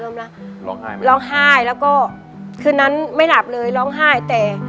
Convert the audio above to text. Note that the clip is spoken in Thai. ร้องไห้ไหมร้องไห้แล้วก็คืนนั้นไม่หลับเลยร้องไห้แต่